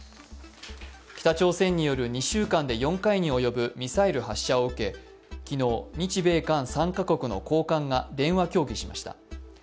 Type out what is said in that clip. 北朝鮮による２週間で４回に及ぶミサイル発射を受け昨日、日米韓３カ国の高官が電話協議しました。